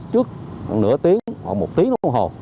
trước nửa tiếng hoặc một tiếng đồng hồ